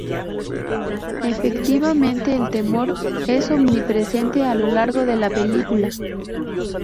Efectivamente, el temor es omnipresente a lo largo de la película.